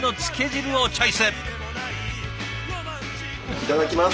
いただきます！